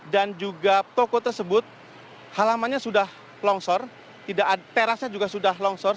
dan juga toko tersebut halamannya sudah longsor terasnya juga sudah longsor